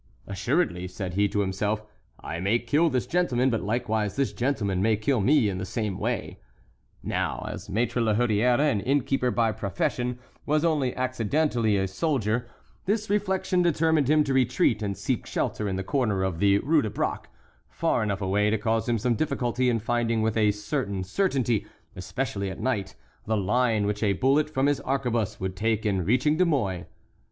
"Assuredly," said he to himself, "I may kill this gentleman, but likewise this gentleman may kill me in the same way." Now as Maître La Hurière, an innkeeper by profession, was only accidentally a soldier, this reflection determined him to retreat and seek shelter in the corner of the Rue de Braque, far enough away to cause him some difficulty in finding with a certain certainty, especially at night, the line which a bullet from his arquebuse would take in reaching De Mouy.